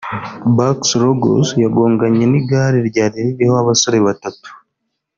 Barks-Ruggles yagonganye n’igare ryari ririho abasore batatu